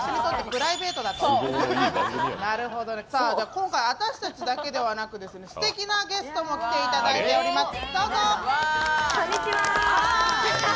今回、私たちだけではなくすてきなゲストも来ていただいおります。